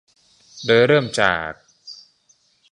โดยเริ่มจาก